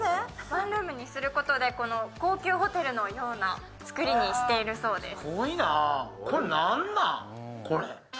ワンルームにすることで高級ホテルのような作りにしているそうです。